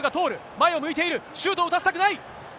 前を向いている、シュートを打たせたくない。